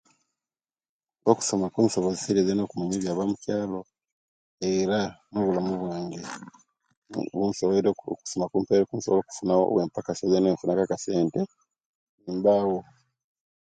Okusoma kunsobozeserye zeena okumanya ebyaba omukyaalo, era nobulamu bwange busoweire okusoma kumpaire okusoma kunsoboile okufuna owempakasizya okunaku akasente, nimbayo.